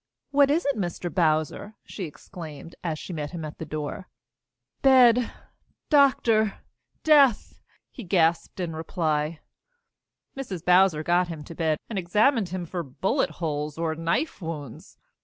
"What is it, Mr. Bowser?" she exclaimed, as she met him at the door. "Bed doctor death!" he gasped in reply. Mrs. Bowser got him to bed and examined him for bullet holes or knife wounds.